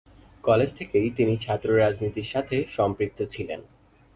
College থেকেই তিনি ছাত্র রাজনীতির সাথে সম্পৃক্ত ছিলেন।